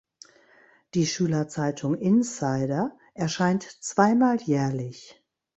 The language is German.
Die Schülerzeitung Insider erscheint zweimal jährlich.